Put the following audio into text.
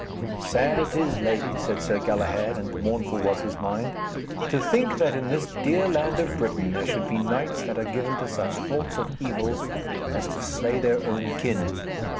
'Sad it is, lady,' said Sir Galahad, and mournful was his mind, 'to think that in this dear land of Britain there should be knights that are given to such thoughts of evil as to slay their own kin.